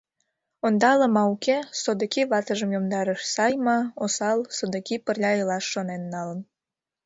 Ондала ма, уке — содыки ватыжым йомдарыш, сай ма, осал — содыки пырля илаш шонен налын...